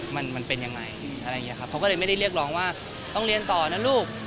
มันเป็นอย่างไรเขาก็เลยไม่ได้เรียกร้องว่าต้องเรียนต่อนะลูก